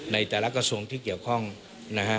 ในแต่ละกระทรวงที่เกี่ยวข้องนะฮะ